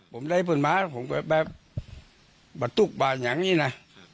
ผมได้ฝนหมาผมมาตุ๊กบานอย่างงี้นะ